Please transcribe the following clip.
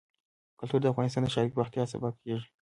کلتور د افغانستان د ښاري پراختیا سبب کېږي.